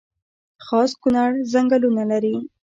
خاص کونړ ځنګلونه لري؟